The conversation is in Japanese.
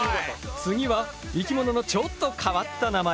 次は生き物のちょっと変わった名前。